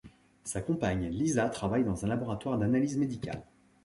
Sa compagne Lisa travaille dans un laboratoire d'analyses médicales.